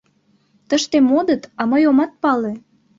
— Тыште модыт, а мый омат пале!